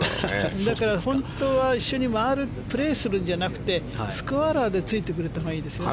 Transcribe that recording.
だから、本当は一緒にプレーするんじゃなくてスコアラーでついてくれたほうがいいですよね。